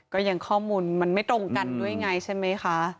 ก็ยังข้อมูลมันไม่ตรงกันด้วยไงใช่ไหมคะ